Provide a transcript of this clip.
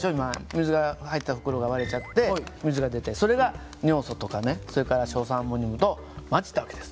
水が入った袋が割れちゃって水が出てそれが尿素とかそれから硝酸アンモニウムと混じった訳です。